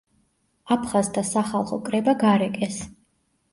აფხაზთა სახალხო კრება გარეკეს.